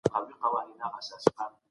خداي مو مل شه